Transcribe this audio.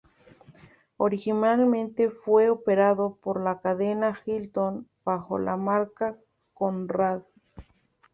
Originalmente fue operado por la cadena Hilton bajo la marca Conrad.